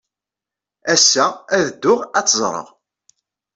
Ass-a, ad dduɣ ad tt-ẓreɣ.